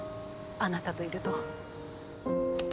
あなたといると。